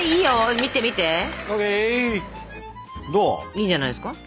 いいんじゃないですか？